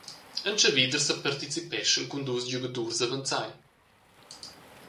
Entscheviders separticipeschan cun dus giugadurs avanzai.